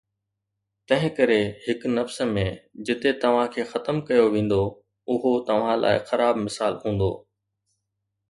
تنهن ڪري هڪ نفس ۾، جتي توهان کي ختم ڪيو ويندو، اهو توهان لاء خراب مثال هوندو